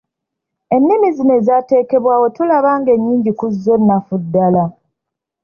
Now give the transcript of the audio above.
Ennimi zino ezaateekebwawo tulaba ng'ennyingi ku zzo nnafu ddala.